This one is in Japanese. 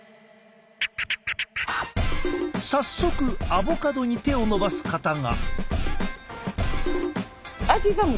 早速アボカドに手を伸ばす方が。